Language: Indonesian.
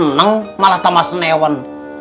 seneng malah tambah senewen